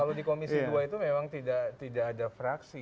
kalau di komisi dua itu memang tidak ada fraksi